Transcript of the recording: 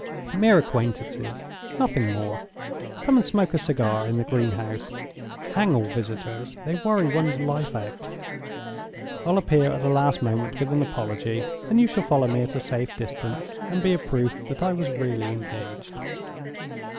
Mere acquaintances, nothing more. Come and smoke a cigar in the greenhouse. Hang all visitors—they worry one's life out. I'll appear at the last moment with an apology; and you shall follow me at a safe distance, and be a proof that I was really engaged."